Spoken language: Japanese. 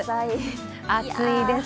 暑いです。